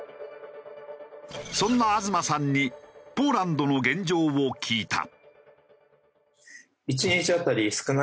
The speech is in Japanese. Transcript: そんな東さんにポーランドの現状を聞いた。